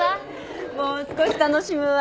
もう少し楽しむわ。